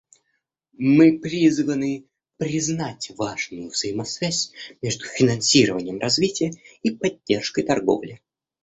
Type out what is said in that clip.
Мы призваны признать важную взаимосвязь между финансированием развития и поддержкой торговли.